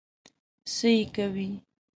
څه یې کوې؟